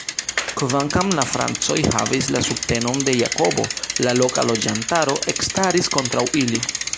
Kvankam la Francoj havis la subtenon de Jakobo, la loka loĝantaro ekstaris kontraŭ ili.